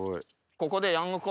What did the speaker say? ここで。